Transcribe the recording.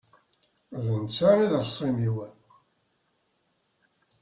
D netta i d axṣim-iw.